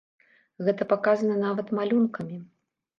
Гэта паказана нават малюнкамі.